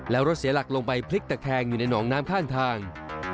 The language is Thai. แล้วรถเสียหลักลงไปพลิกตะแคงอยู่ในหนองน้ำข้างทาง